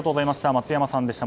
松山さんでした。